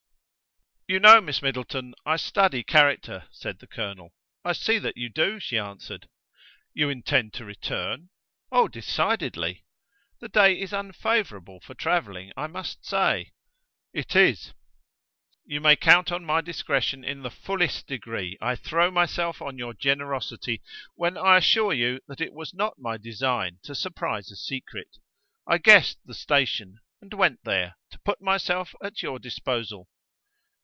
"You know, Miss Middleton, I study character," said the colonel. "I see that you do," she answered. "You intend to return?" "Oh, decidedly." "The day is unfavourable for travelling, I must say." "It is." "You may count on my discretion in the fullest degree. I throw myself on your generosity when I assure you that it was not my design to surprise a secret. I guessed the station, and went there, to put myself at your disposal."